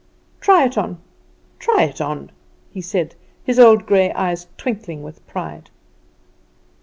Try it on, try it on!" he said, his old grey eyes twinkling with pride.